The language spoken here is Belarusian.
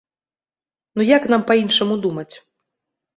Ну як нам па-іншаму думаць?